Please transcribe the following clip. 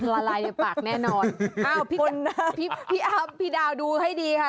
ละลายในปากแน่นอนอ้าวพี่อ้ำพี่ดาวดูให้ดีค่ะ